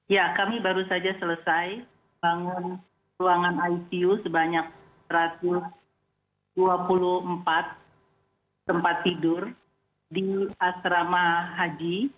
ya kami baru saja selesai bangun ruangan icu sebanyak satu ratus dua puluh empat tempat tidur di asrama haji